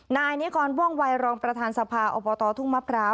นายนิกรว่องวัยรองประธานสภาอบตทุ่งมะพร้าว